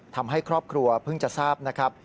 ทำให้ครอบครัวเพิ่งจะทราบนะครับ